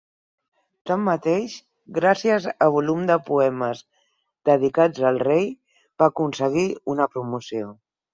Tanmateix, gràcies a volum de poemes dedicats al rei, va aconseguir una promoció.